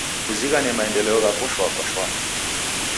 Kuzighane maendeleo ghako shwaa kwa shwaa.